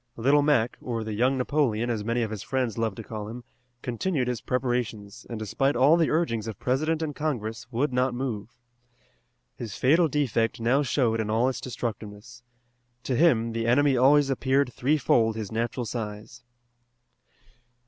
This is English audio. Little Mac, or the Young Napoleon, as many of his friends loved to call him, continued his preparations, and despite all the urgings of President and Congress, would not move. His fatal defect now showed in all its destructiveness. To him the enemy always appeared threefold his natural size.